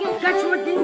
itu dalam bahaya